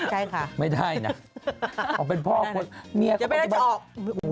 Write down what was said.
อ๋อเหรอไม่ได้นะออกเป็นพ่อคนเนี่ยเขาจะบอกโอ้โฮ